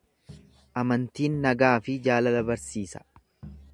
Amantiin nagaa fi jaalala barsiisa.